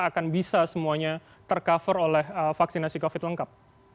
akan bisa semuanya tercover oleh vaksinasi covid lengkap